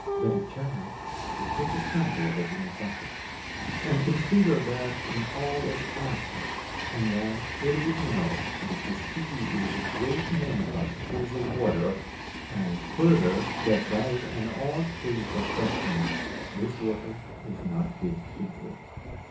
But a child would take a sample of it in a bucket, and consider that in all its aspects ; and then it would know that the sea is a great many bucketfuls of water, and further that by an odd freak of destiny this water is not fit to drink.